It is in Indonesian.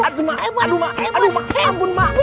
aduh mak aduh mak aduh mak